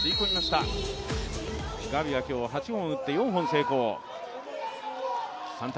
ガビは今日８本打って４本成功。